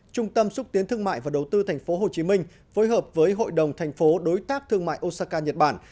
trung tâm xúc tiến thương mại và đầu tư thành phố hồ chí minh phối hợp với hội đồng thành phố đối tác thương mại osaka nhật bản